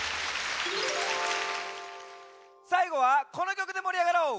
さいごはこのきょくでもりあがろう！